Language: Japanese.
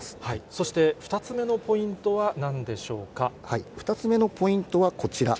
そして、２つ目のポイントは２つ目のポイントはこちら。